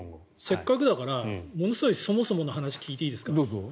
せっかくだからものすごいそもそもの話聞いていいですか。